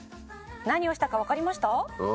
「何をしたかわかりました？」